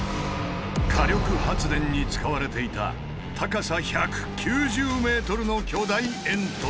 火力発電に使われていた高さ１９０ｍの巨大煙突。